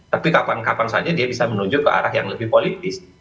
tapi kapan kapan saja dia bisa menuju ke arah yang lebih politis